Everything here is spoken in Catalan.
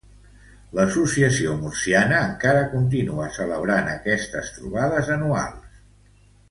L'Associació Murciana encara continua celebrant estes trobades anuals.